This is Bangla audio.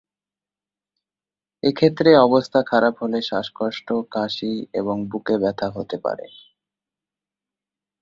এক্ষেত্রে অবস্থা খারাপ হলে শ্বাসকষ্ট, কাশি এবং বুকে ব্যথা হতে পারে।